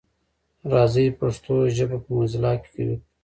راځی پښتو ژبه په موزیلا کي قوي کړو.